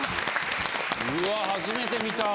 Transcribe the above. うわ初めて見た。